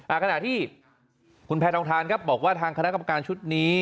ขณะที่คุณแพทองทานครับบอกว่าทางคณะกรรมการชุดนี้